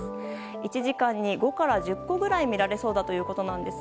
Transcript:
１時間に５から１０個くらい見られそうだということです。